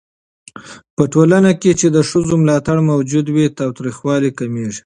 په ټولنه کې چې د ښځو ملاتړ موجود وي، تاوتريخوالی کمېږي.